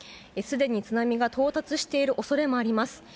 すでに津波が到達している恐れもあります。